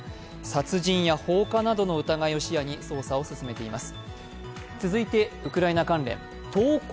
殺人や放火などの疑いを視野に捜査を進めています。